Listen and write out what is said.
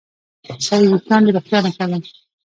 صحي وېښتيان د روغتیا نښه ده.